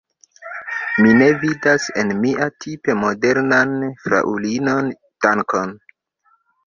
Mi ne vidas en mi tipe modernan fraŭlinon; dankon!